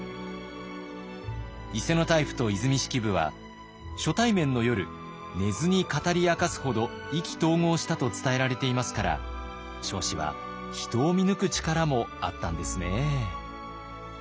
伊勢大輔と和泉式部は初対面の夜寝ずに語り明かすほど意気投合したと伝えられていますから彰子は人を見抜く力もあったんですね。